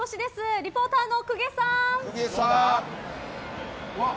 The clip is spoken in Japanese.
リポーターの久下さん。